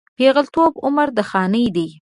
پېغلتوب عمر د خانۍ دی